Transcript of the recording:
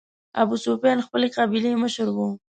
ابوسفیان خپلې قبیلې مشر و.